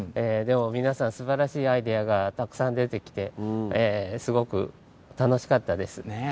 でも皆さん素晴らしいアイデアがたくさん出てきてすごく楽しかったです。